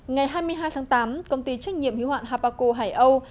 ngày hai mươi hai tháng tám công ty trách nhiệm hữu hoạn habaco hải âu